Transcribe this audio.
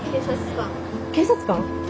警察官？